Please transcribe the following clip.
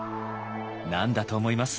何だと思います？